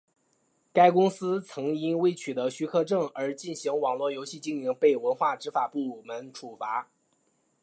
该公司曾因未取得许可证而进行网络游戏经营被文化执法部门处罚。